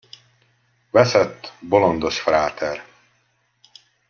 Veszett, bolondos fráter.